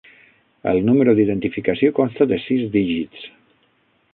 El número d'identificació consta de sis dígits.